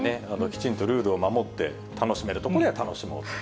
きちんとルールを守って、楽しめるところは楽しもうと。